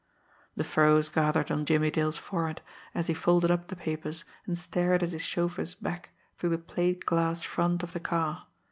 The furrows gathered on Jimmie Dale's forehead, as he folded up the papers, and stared at his chauffeur's back through the plate glass front of the car.